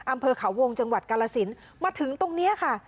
อำเภอเขาวงจังหวัดกาลสินมาถึงตรงนี้ค่ะ